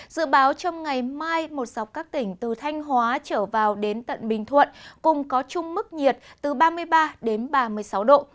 dự báo trong ngày mai một dọc các tỉnh từ thanh hóa trở vào đến tận bình thuận cùng có chung mức nhiệt từ ba mươi ba đến ba mươi sáu độ